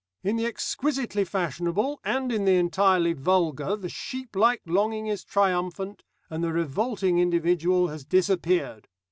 In the exquisitely fashionable and in the entirely vulgar the sheep like longing is triumphant, and the revolting individual has disappeared.